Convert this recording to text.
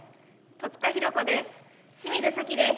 戸塚寛子です。